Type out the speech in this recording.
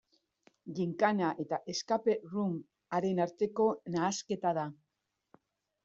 Ginkana eta escape room-aren arteko nahasketa da.